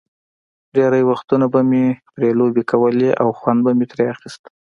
ډېری وختونه به مې پرې لوبې کولې او خوند مې ترې اخیست.